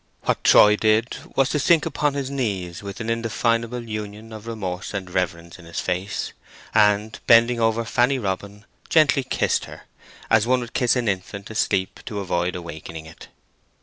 What Troy did was to sink upon his knees with an indefinable union of remorse and reverence upon his face, and, bending over Fanny Robin, gently kissed her, as one would kiss an infant asleep to avoid awakening it.